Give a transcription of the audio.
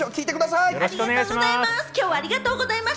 ありがとうございます。